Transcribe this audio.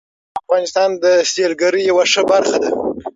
واوره د افغانستان د سیلګرۍ یوه ښه برخه ده.